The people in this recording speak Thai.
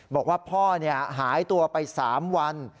บอกว่าพ่อหายตัวไป๓วัน